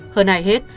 hơn ai hết